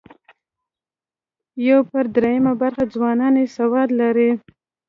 یو پر درېیمه برخه ځوانان یې سواد لري.